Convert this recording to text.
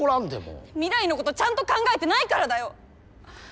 未来のことちゃんと考えてないからだよ！